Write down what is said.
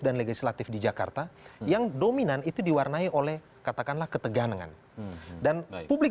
dan legislatif di jakarta yang dominan itu diwarnai oleh katakanlah ketegangan dan publik